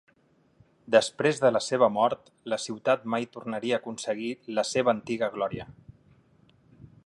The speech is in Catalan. Després de la seva mort, la ciutat mai tornaria a aconseguir la seva antiga glòria.